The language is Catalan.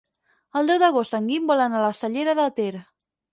El deu d'agost en Guim vol anar a la Cellera de Ter.